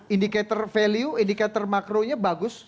indicator value indikator makronya bagus